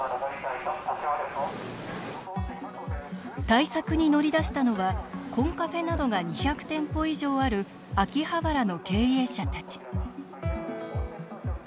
対策に乗り出したのはコンカフェなどが２００店舗以上ある秋葉原の経営者たち。